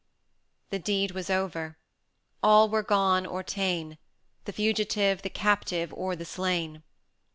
XIII. The deed was over! All were gone or ta'en, The fugitive, the captive, or the slain.